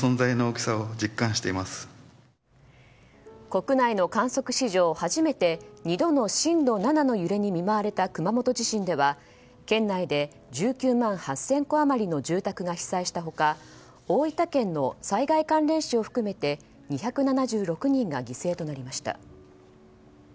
国内の観測史上初めて２度の震度７の揺れに見舞われた熊本地震では県内で１９万８０００戸余りの住宅が被災した他大分県の災害関連死を含めて２７６人が犠牲となりました。